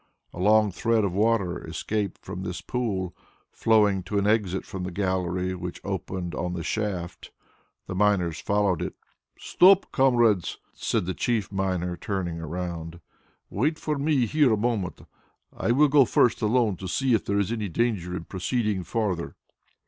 A long thread of water escaped from this pool, flowing to the exit from the gallery which opened on the shaft. The miners followed it. "Stop, comrades!" said the chief miner, turning round. "Wait for me here a moment. I will first go alone and see if there is any danger in proceeding farther."